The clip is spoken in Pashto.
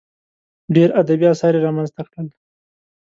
ډېر ادبي اثار یې رامنځته کړل.